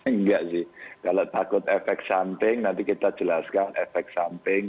enggak sih kalau takut efek samping nanti kita jelaskan efek samping